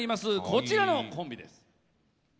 こちらのコンビです。